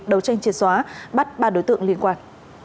đấu tranh triệt xóa bắt ba đối tượng liên quan